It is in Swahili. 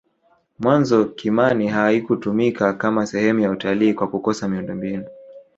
mwanzo kimani haikutumika Kama sehemu ya utalii kwa kukosa miundombinu